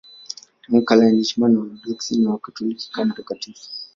Tangu kale anaheshimiwa na Waorthodoksi na Wakatoliki kama mtakatifu.